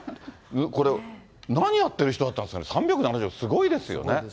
何、何やってる人だったんですかすごいですよね。